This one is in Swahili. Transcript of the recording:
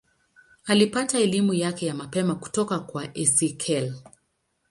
Alipata elimu yake ya mapema kutoka kwa Esakhel.